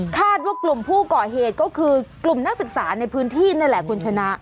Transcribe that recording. คาดว่ากลุ่มผู้ก่อเหตุก็คือกลุ่มนักศึกษาในพื้นที่นั่นแหละคุณชนะ